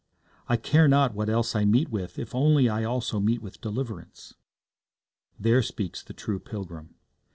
'I care not what else I meet with if only I also meet with deliverance.' There speaks the true pilgrim.